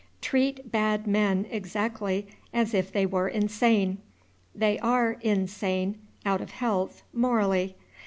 Treat bad men exactly as if they were insane. They are in sane, out of health, morally.